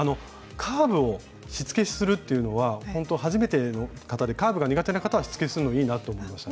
カーブをしつけするっていうのはほんと初めての方でカーブが苦手な方はしつけするのいいなと思いました。